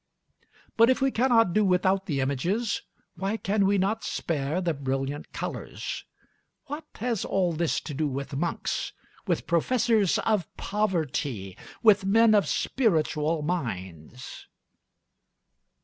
But if we cannot do without the images, why can we not spare the brilliant colors? What has all this to do with monks, with professors of poverty, with men of spiritual minds?